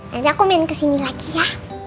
akhirnya aku main kesini lagi ya